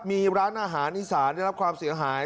มีร้านอาหารอีสานได้รับความเสียหาย